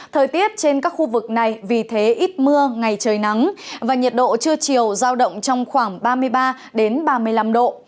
thời tiết trên các khu vực này vì thế ít mưa ngày trời nắng và nhiệt độ trưa chiều giao động trong khoảng ba mươi ba ba mươi năm độ